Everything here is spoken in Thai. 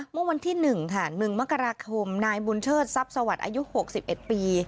เมื่อวันที่๑ค่ะ๑มกราคมนายบุญเชิดทรัพย์สวัสดิ์อายุ๖๑ปี